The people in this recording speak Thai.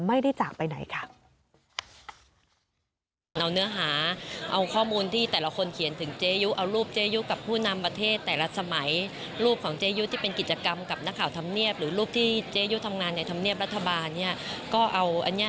ไม่ได้จากไปไหนค่ะ